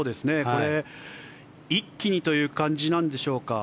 一気にという感じなんでしょうか。